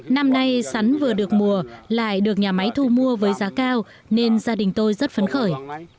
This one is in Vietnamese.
năm nay sắn vừa được mùa lại được nhà máy thu mua với giá cao nên gia đình tôi rất phấn khởi